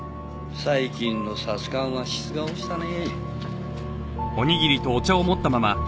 最近のサツカンは質が落ちたね。